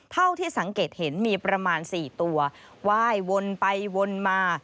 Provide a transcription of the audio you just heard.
เท่าที่สังเกตเห็นมีประมาณ๔ตัวไหว้วนไปวนมา